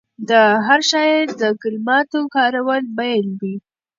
د هر شاعر د کلماتو کارول بېل وي.